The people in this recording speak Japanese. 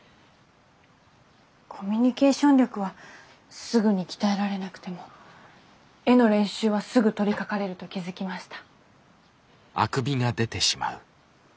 コミュニケーション力はすぐに鍛えられなくても絵の練習はすぐ取りかかれると気付きました。